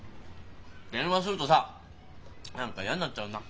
電話するとさ何か嫌になっちゃうんだ。